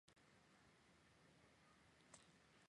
现在任教于普林斯顿大学物理系。